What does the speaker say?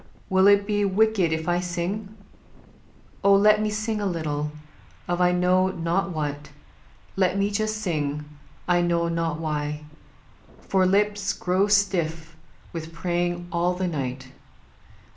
Will it be wicked if I sing? Oh! let Me sing a little, of I know not what; Let me just sing, I know not why. For lips Grow stiff with praying all the night.